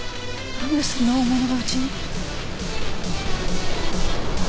何でそんな大物がうちに？